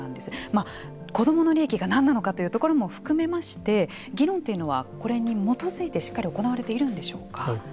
まあ、子どもの利益が何なのかというところも含めまして議論というのは、これに基づいてしっかり行われているんでしょうか。